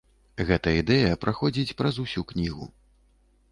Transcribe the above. Гэта ідэя праходзіць праз усю кнігу.